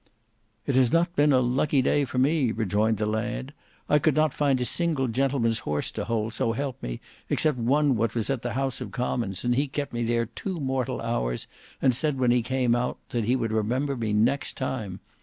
"It has not been a lucky day for me," rejoined the lad, "I could not find a single gentleman's horse to hold, so help me, except one what was at the House of Commons, and he kept me there two mortal hours and said when he came out, that he would remember me next time.